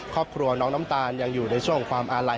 ครอบครัวน้องน้ำตาลยังอยู่ในช่วงของความอาลัย